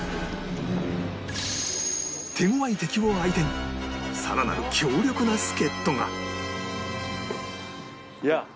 手強い敵を相手にさらなる強力な助っ人がやあ。